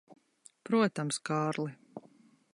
Protams, Kārli.